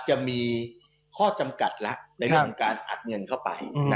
เริ่มมีข้อจำกัดแล้วในเรื่องข้างอัดเงินเข้า